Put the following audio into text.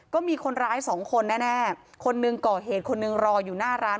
ก็มีคนร้ายสองคนแน่คนหนึ่งก่อเหตุคนหนึ่งรออยู่หน้าร้าน